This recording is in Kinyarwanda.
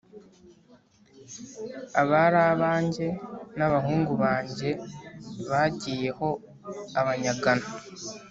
,Abari banjye n’abahungu banjye bagiye ho abanyagano.